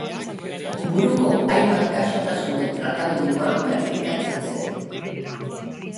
Buruko hainbat gaixotasunen tratamenduan praktikatzen zen.